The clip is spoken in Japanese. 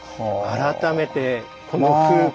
改めてこの風景。